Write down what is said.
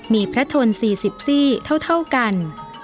มีพระทน๔๔เท่ากัน